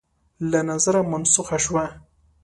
له نظره منسوخه شوه